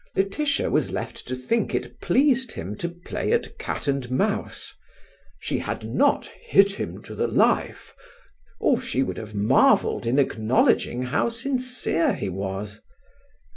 Laetitia was left to think it pleased him to play at cat and mouse. She had not "hit him to the life", or she would have marvelled in acknowledging how sincere he was.